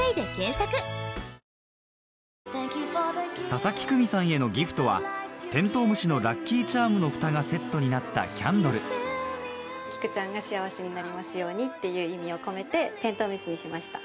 佐々木久美さんへのギフトはテントウムシのラッキーチャームのふたがセットになったキャンドルきくちゃんが幸せになりますようにっていう意味を込めてテントウムシにしました。